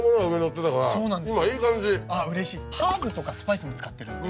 ハーブとかスパイスも使ってるんで。